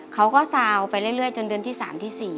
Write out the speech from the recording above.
เขาก็ซาวไปเรื่อยจนเดือนที่๓ที่๔